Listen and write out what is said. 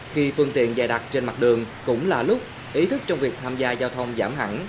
khi phương tiện dày đặc trên mặt đường cũng là lúc ý thức trong việc tham gia giao thông giảm hẳn